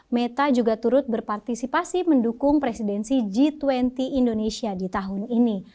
meta juga turut berpartisipasi mendukung presidensi g dua puluh indonesia di tahun ini